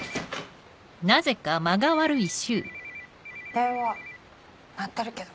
電話鳴ってるけど。